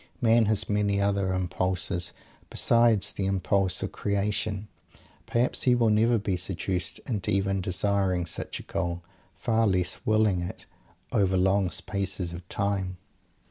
Man has many other impulses besides the impulse of creation. Perhaps he will never be seduced into even desiring such a goal, far less "willing" it over long spaces of time.